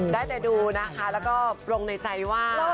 ได้ดูนะคะแล้วก็โปร่งในใจว่า